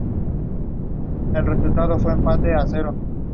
Afirmó que era la primera vez que utiliza esa tarjeta.